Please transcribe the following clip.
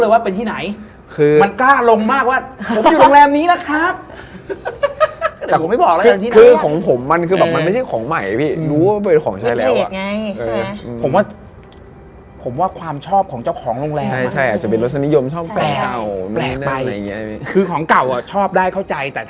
วันนี้ไม่ได้แล้วเดี๋ยวต้องเจอหน่อย